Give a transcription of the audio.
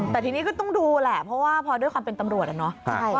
แต่ทีนี้ก็ต้องดูแหละเพราะว่าพอด้วยความเป็นตำรวจอะเนาะ